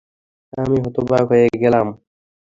আমি হতবাক হয়ে গেলাম।